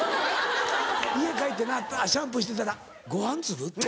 家帰ってなシャンプーしてたらご飯粒？